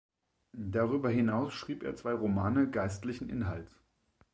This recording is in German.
Darüber hinaus schrieb er zwei Romane geistlichen Inhalts.